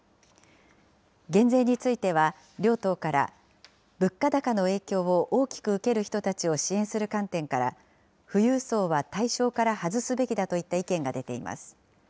減税については両党から、物価高の影響を大きく受ける人たちを支援する観点から富裕層は対象から外すべきだといった意見が出ています。